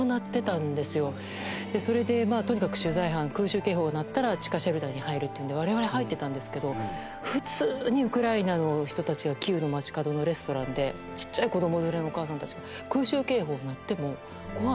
それでとにかく取材班空襲警報が鳴ったら地下シェルターに入るっていうので我々入ってたんですけど普通にウクライナの人たちはキーウの街角のレストランで小っちゃい子供連れのお母さんたちが空襲警報が鳴っても。